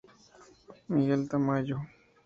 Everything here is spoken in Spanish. Miguel Tamayo.